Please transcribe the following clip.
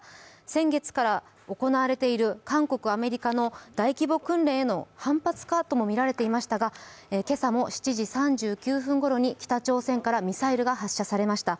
先月から行われている韓国、アメリカの大規模訓練への反発かとみられていますが、今朝も７時３９分ごろに北朝鮮からミサイルが発射されました。